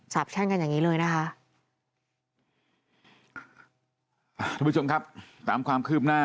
สาบแช่งกันอย่างนี้เลยนะคะ